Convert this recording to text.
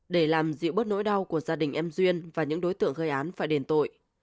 để làm dịu bớt nỗi đau của gia đình em duyên và những đối tượng gây án phải đền tội